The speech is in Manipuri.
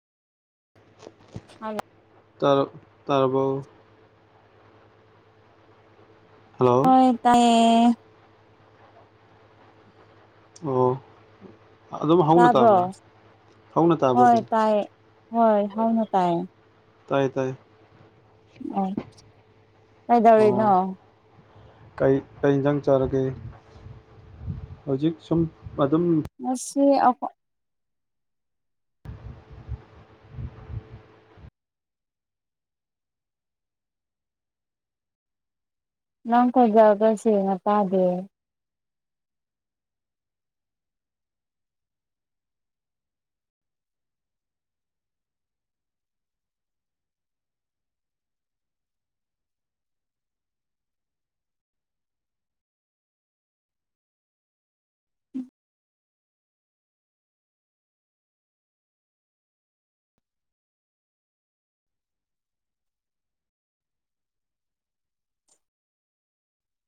[unintelligible] ꯍꯜꯂꯣ ꯇꯔ ꯇꯥꯔꯕꯣ ꯍꯜꯂꯣ ꯍꯣꯏ ꯇꯥꯏꯌꯦ ꯑꯣ ꯑꯗꯨꯝ ꯍꯧꯅ ꯇꯥꯕ꯭ꯔꯥ ꯇꯥꯕ꯭ꯔꯣ ꯍꯧꯅ ꯇꯥꯕ꯭ꯔꯥ ꯍꯣꯏ ꯑꯗꯨꯝ ꯇꯥꯏꯌꯦ ꯍꯣꯏ ꯍꯧꯅ ꯇꯥꯏ ꯇꯥꯏꯌꯦ ꯇꯥꯏ ꯎ ꯀꯩꯗꯧꯔꯤꯅꯣ ꯑꯣ ꯀꯩ ꯀꯩ ꯏꯟꯖꯥꯡ ꯆꯥꯔꯒꯦ ꯍꯧꯖꯤꯛ ꯁꯨꯝ ꯑꯗꯨꯝ ꯉꯁꯤ ꯑꯍꯣ ꯅꯪ ꯀꯣꯟꯖꯦꯜꯒ ꯁꯦꯡꯅ ꯇꯥꯗꯦ